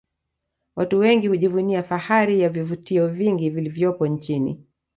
Watu wengi hujivunia fahari ya vivutio vingi vilivyopo nchini